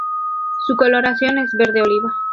Su coloración es verde oliva.